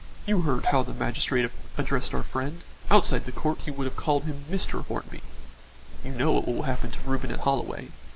You heard how the magistrate addressed our friend; outside the court he would have called him Mr. Hornby. You know what will happen to Reuben at Holloway.